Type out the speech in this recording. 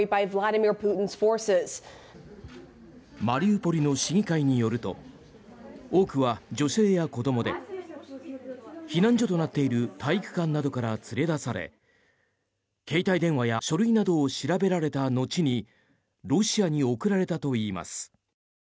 マリウポリの市議会によると多くは女性や子どもで避難所となっている体育館などから連れ出され携帯電話や書類などを調べられた後にロシアに送られたといいます。